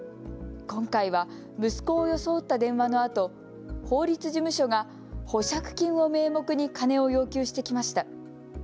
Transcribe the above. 今回は息子を装った電話のあと法律事務所が保釈金を名目に金を要求してきました。